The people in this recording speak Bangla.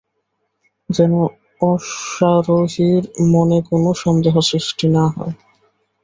যেন অশ্বারোহীর মনে কোন সন্দেহ সৃষ্টি না হয়।